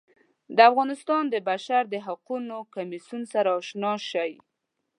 د افغانستان د بشر د حقونو کمیسیون سره اشنا شي.